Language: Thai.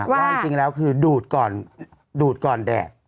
ว่าจริงแล้วคือดูดก่อนแดด